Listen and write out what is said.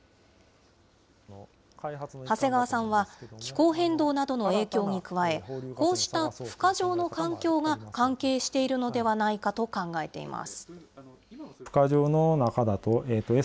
長谷川さんは、気候変動などの影響に加え、こうしたふ化場の環境が関係しているのではないかと考えています。